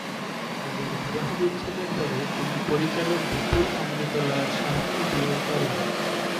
তাদের বিবাহবিচ্ছেদের পরে তিনি পরিচালক বিপুল অমৃতলাল শাহকে বিয়ে করেন।